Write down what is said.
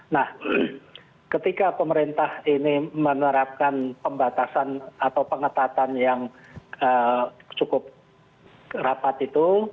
nah ketika pemerintah ini menerapkan pembatasan atau pengetatan yang cukup rapat itu